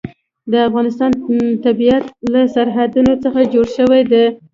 د افغانستان طبیعت له سرحدونه څخه جوړ شوی دی.